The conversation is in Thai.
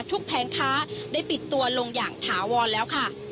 แผงค้าได้ปิดตัวลงอย่างถาวรแล้วค่ะ